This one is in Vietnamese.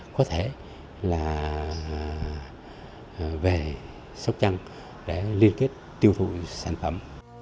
có thể là về sóc trăng để liên kết tiêu thụ sản phẩm